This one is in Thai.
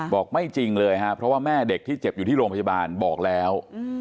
บอกไม่จริงเลยครับเพราะว่าแม่เด็กที่เจ็บอยู่ที่โรงพยาบาลบอกแล้ว